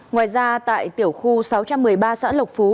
ngoài ra tại tiểu khu sáu trăm một mươi ba xã lộc phú